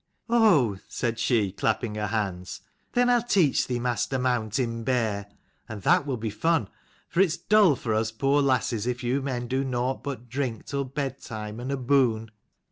" Oh," said she, clapping her hands, " then I'll teach thee, master mountain bear: and that will be fun, for it's dull for us poor lasses if you men do nought but drink till bedtime and aboon."